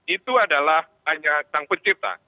itu adalah hanya sang pencipta